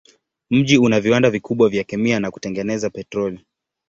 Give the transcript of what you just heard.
Mji una viwanda vikubwa vya kemia na kutengeneza petroli.